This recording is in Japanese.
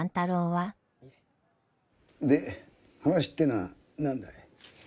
で話ってのは何だい？